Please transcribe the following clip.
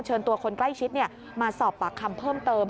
เชิญตัวคนใกล้ชิดมาสอบปากคำเพิ่มเติม